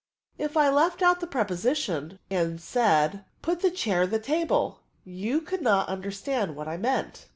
If I left out the preposition^ and said, ' Put the chair Hie table/ you could not understand what I meant."